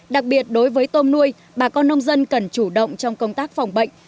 đặc biệt đối với tôm nuôi bà con nông dân cần chủ động trong công tác phòng bệnh